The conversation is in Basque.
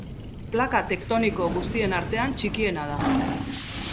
Plaka tektoniko guztien artean txikiena da.